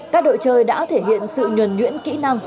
các đội chơi đã thể hiện sự nhuần nhuyện của các đội chơi này